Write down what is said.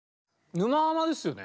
「沼ハマ」ですよね？